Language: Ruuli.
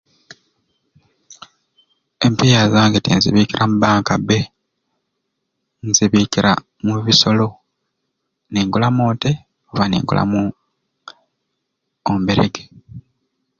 Empiiya zange tinzibiika mu banka bbe nzibiikira mu bisolo ningulamu onte oba ningulamu omberege.